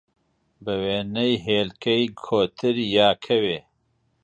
بە وێنەی هێلکەی کۆتر، یا کەوێ